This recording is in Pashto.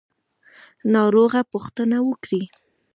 ناروغه پوښتنه وکړئ